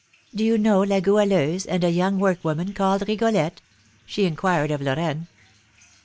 "Do you know La Goualeuse and a young workwoman called Rigolette?" she inquired of Lorraine.